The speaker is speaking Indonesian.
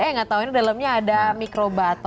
eh nggak tahu ini dalamnya ada mikro batong